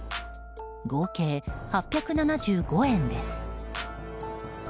合計８７５円です。